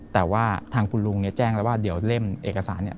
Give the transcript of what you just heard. แต่ว่าทางคุณลุงแจ้งแล้วว่าเดี๋ยวเล่มเอกสาร